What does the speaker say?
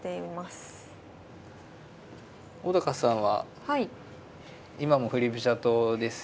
小さんは今も振り飛車党ですよね。